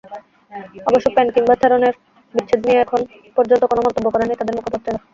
অবশ্য পেন কিংবা থেরনের বিচ্ছেদ নিয়ে এখন পর্যন্ত কোনো মন্তব্য করেননি তাঁদের মুখপাত্রেরা।